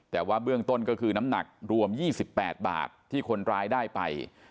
แต่ว่าเบื้องต้นก็คือน้ำหนักรวม๒๘บาทที่คนร้ายได้ไป